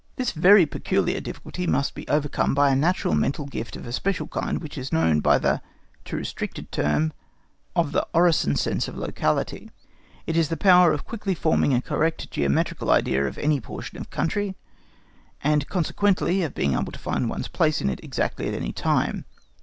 This very peculiar difficulty must be overcome by a natural mental gift of a special kind which is known by the—too restricted—term of Ortsinn sense of locality. It is the power of quickly forming a correct geometrical idea of any portion of country, and consequently of being able to find one's place in it exactly at any time.